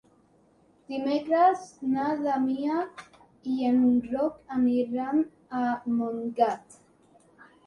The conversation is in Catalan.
Dimecres na Damià i en Roc aniran a Montgat.